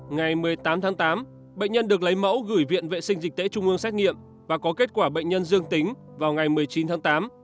ngày một mươi tám tháng tám bệnh nhân được lấy mẫu gửi viện vệ sinh dịch tễ trung ương xét nghiệm và có kết quả bệnh nhân dương tính vào ngày một mươi chín tháng tám